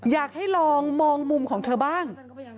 อยากให้ลองมองมุมของเธอบ้าง